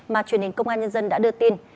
mà truyền hình công an nhân dân đã đưa tin